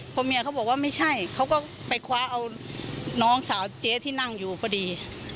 พอเมียเขาบอกว่าไม่ใช่เขาก็ไปคว้าเอาน้องสาวเจ๊ที่นั่งอยู่พอดี